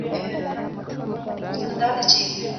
ولسي جرګه د مشرانو جرګي سره څه توپیر لري؟